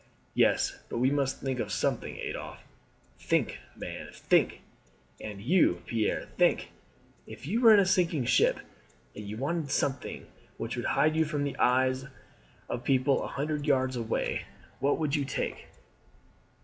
"Yes; but we must think of something, Adolphe think, man, think and you, Pierre, think; if you were in a sinking ship, and you wanted something which would hide you from the eyes of people a hundred yards away, what would you take?"